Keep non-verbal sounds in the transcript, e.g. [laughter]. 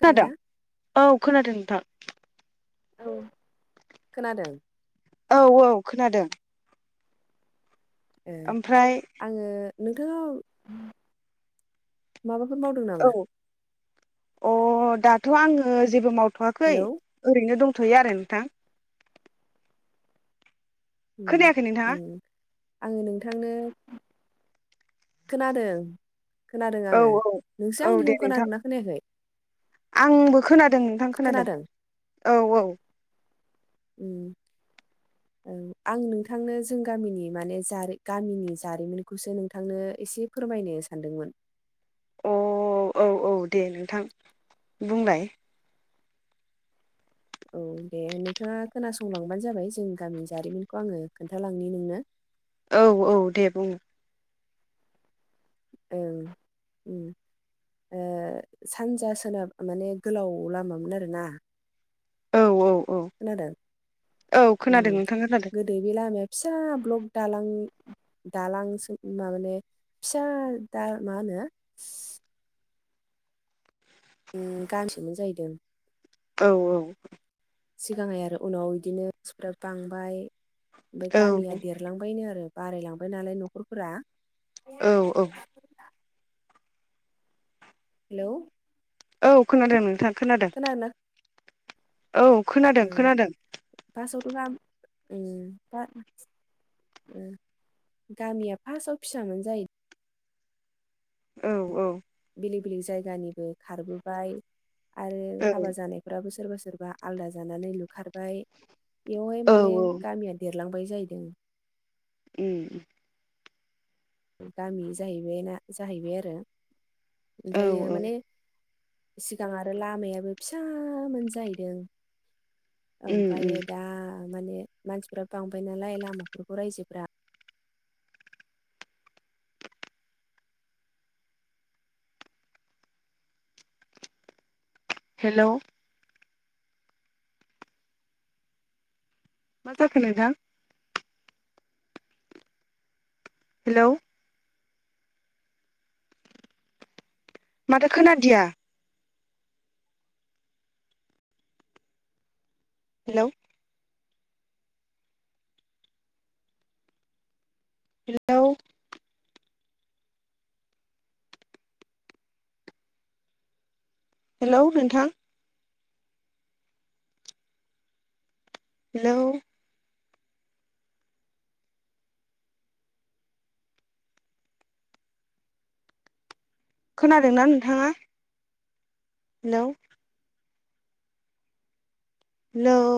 खोनादों औ खोनादों नोंथां। औ खोनादों। औ औ खोनादों। ए ओमफ्राय आङो नोंथाङा माबाफोर मावदों औ नामा? अ दाथ' आङो जेबो मावथ'वाखै हेलौ ओरैनो दंथ'यो आरो नोंथां। ओम खोनायाखै नोंथाङा ओम। आङो नोंथांनो खोनादों। खोनादों औ आङो औ नोंसो औ दे आंनिखौ नोंथां खोनादों ना खोनायाखै। आंबो खोनादों नोंथां खोनादों औ औ। ओम। [inaudible] औ आं नोंथांनो जों गामिनि माने गामिनि जारिमिनखौसो नोंथांनो एसे फोरमायनो सानदोंमोन। अ औ औ दे नोंथां बुंलाय। औ दे नोंथाङा खोनासंलांबानो जाबाय जों गामिनि जारिमिनखौ आङो खोन्थालांनि नोंनो। औ औ दे बुं। औ ओम। ओ सानजा सोनाब माने गोलाव लामामोन आरोना। औ औ औ। खोनादों औ खोनादों ओम नोंथां खोनादों गोदो बे लामाया फिसा ब्लक दालां दालां सो माने फिसा दा मा होनो ओ गानसोमोन जाहैदों। औ - औ। सिगाङै आरो उनाव एदिनो मानसिफ्रा बांबाय ओमफ्राय औ गामिया देर रलांबायनो आरो बारायलांबाय नालाय न'खरफोरा औ - औ। हेलौ औ खोनादों नोंथां। खोनादों खोनादोंना। औ खोनादों - उम खोनादों। फार्स्टआवथ' गाम ओम दा ओ गामिया फार्स्टआव फिसा मोन जायो औ -औ। बेलेग - बेलेग जायगानिबो खारबोबाय आरो औ हाबा जानाय फ्राबो सोरबा सोरबा आलादा जानानै लुखारबाय बेयावहाय औ माने औ गामिया देर लांबाय जाहैदों उम। गामि जाहैबाय ना जाहैबाय आरो औ ओमफायो औ माने सिगां आरो लामायाबो फिसामोन जाहैदों उम ओमफ्रायो उम दा माने मानसिफ्रा बांबाय नालाय लामाफोरखौ रायजोफ्रा हेल' मा जाखो नोंथां। हेलौ। माथो खोनादिया हेलौ। हेलौ। हेलौ' नोंथां। हेलौ। खोनादोंना नोंथाङा हेलौ। हेलौ।